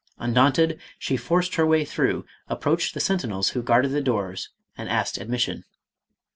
Undaunted, she forced her way through, approached the sentinels who guarded the doors, and asked admission.